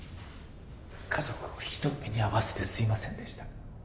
家族をひどい目に遭わせてすいませんでした